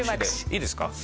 いいですか？